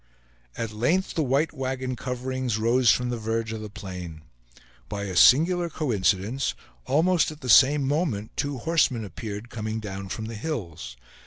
At length the white wagon coverings rose from the verge of the plain. By a singular coincidence, almost at the same moment two horsemen appeared coming down from the hills.